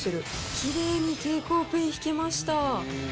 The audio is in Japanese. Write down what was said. きれいに蛍光ペン引けました。